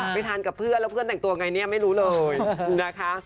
ไปทานกับเพื่อนแล้วเพื่อนแต่งตัวไงเนี่ยไม่รู้เลยนะคะ